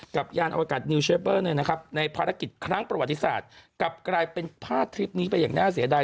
ยานอวกาศนิวเชเปอร์ในภารกิจครั้งประวัติศาสตร์กลับกลายเป็นพาดทริปนี้ไปอย่างน่าเสียดาย